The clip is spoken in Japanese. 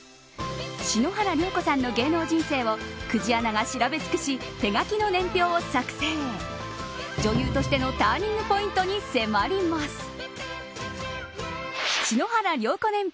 篠原涼子さんの芸能人生を久慈アナが調べ尽くし手書きの年表を作成女優としてのターニングポイントに迫ります。